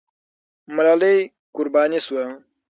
ملالۍ قرباني سوه.